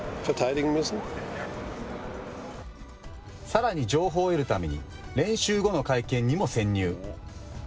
さらに情報を得るために練習後の会見にも潜入。